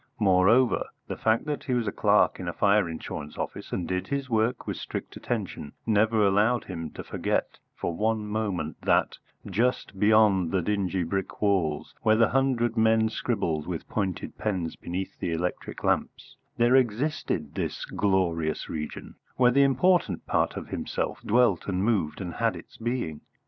Moreover, the fact that he was a clerk in a fire insurance office, and did his work with strict attention, never allowed him to forget for one moment that, just beyond the dingy brick walls where the hundred men scribbled with pointed pens beneath the electric lamps, there existed this glorious region where the important part of himself dwelt and moved and had its being.